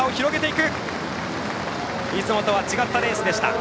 いつもとは違ったレースでした。